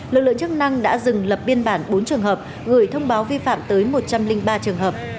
lực lượng chức năng đã dừng lập biên bản bốn trường hợp gửi thông báo vi phạm tới một trăm linh ba trường hợp